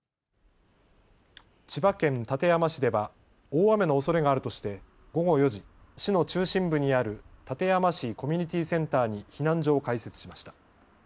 千葉県館山市では大雨のおそれがあるとして午後４時、市の中心部にある館山市コミュニティセンターに避難所を開設しました。